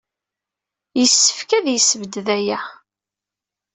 Yessefk ad yessebded aya.